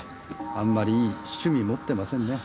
あんまりいい趣味持ってませんね。